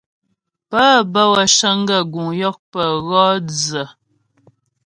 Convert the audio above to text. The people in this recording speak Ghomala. Pə́ bə́ wə́ cəŋ gaə́ guŋ yɔkpə wɔ dzə.